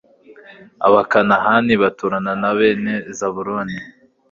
abakanahani baturana na bene zabuloni